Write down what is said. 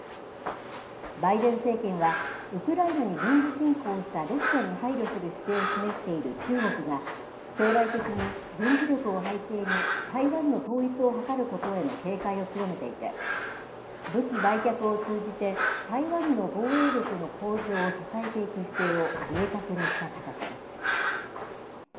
バイデン政権は、ウクライナに軍事侵攻したロシアに配慮する姿勢を示している中国が、将来的に軍事力を背景に、台湾の統一を図ることへの警戒を強めていて、武器売却を通じて、台湾の防衛力の向上を支えていく姿勢を明確にした形です。